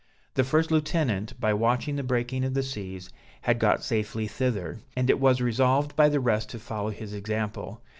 The first lieutenant, by watching the breaking of the seas, had got safely thither, and it was resolved by the rest to follow his example.